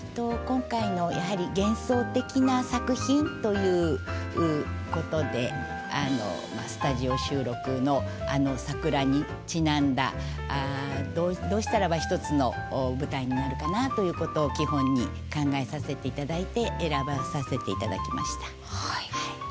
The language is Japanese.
今回のやはり幻想的な作品ということでスタジオ収録のあの桜にちなんだどうしたらば一つの舞台になるかなということを基本に考えさせていただいて選ばさせていただきました。